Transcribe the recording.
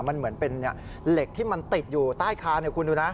มันเหมือนเป็นเหล็กที่มันติดอยู่ใต้คานคุณดูนะ